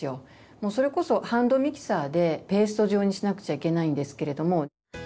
もうそれこそハンドミキサーでペースト状にしなくちゃいけないんですけれども。